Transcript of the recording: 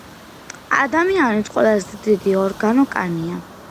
ადამიანის ყველაზე დიდი ორგანო კანია